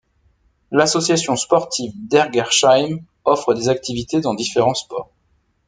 L'association sportive d'Ergersheim offre des activités dans différents sports.